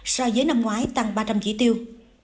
so với năm ngoái tăng ba trăm linh chỉ tiêu